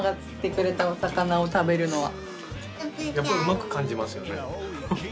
やっぱりうまく感じますよね。